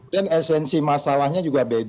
dan esensi masalahnya juga beda